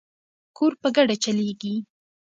کور په ګډه چلیږي.